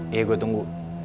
iya gue tunggu